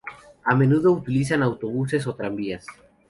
A menudo utilizan autobuses o tranvías.